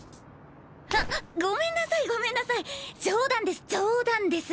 あっゴメンなさいゴメンなさい冗談です冗談です！